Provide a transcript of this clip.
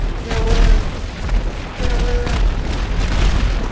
"Philip! Philip!"